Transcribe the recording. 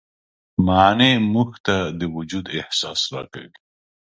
معنی موږ ته د وجود احساس راکوي.